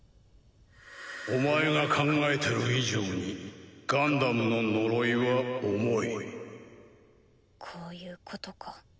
お前が考えてる以上にガンダムの呪いは重いこういうことか。